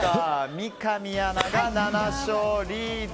三上アナが７勝、リード。